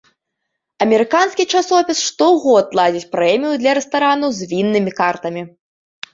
Амерыканскі часопіс штогод ладзіць прэмію для рэстаранаў з віннымі картамі.